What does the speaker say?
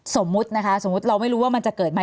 สมมุตินะคะสมมุติเราไม่รู้ว่ามันจะเกิดไหม